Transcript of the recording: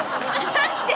待って！